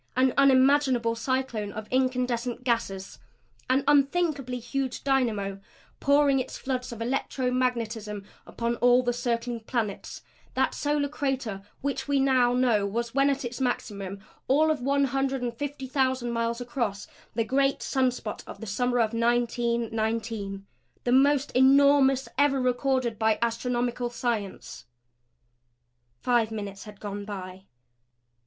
An unimaginable cyclone of incandescent gases; an unthinkably huge dynamo pouring its floods of electro magnetism upon all the circling planets; that solar crater which we now know was, when at its maximum, all of one hundred and fifty thousand miles across; the great sun spot of the summer of 1919 the most enormous ever recorded by astronomical science. Five minutes had gone by.